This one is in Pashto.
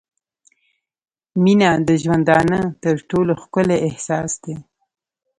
• مینه د ژوندانه تر ټولو ښکلی احساس دی.